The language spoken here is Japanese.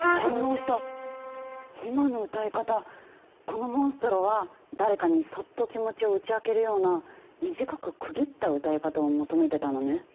このモンストロは誰かにそっと気持ちを打ち明けるような短く区切った歌い方を求めてたのね。